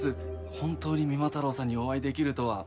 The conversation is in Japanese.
本当に三馬太郎さんにお会いできるとは。